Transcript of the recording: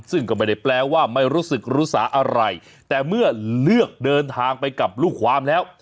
ซึ่งก็ไม่ได้แปลว่าไม่รู้สึกรู้สาอะไรแต่เมื่อเลือกเดินทางไปกับลูกความแล้ว